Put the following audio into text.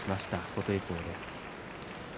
琴恵光です。